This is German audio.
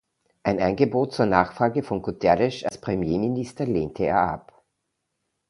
Ein Angebot zur Nachfolge von Guterres als Premierminister lehnte er ab.